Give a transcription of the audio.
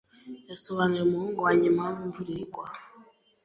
Yasobanuriye umuhungu wanjye impamvu imvura igwa.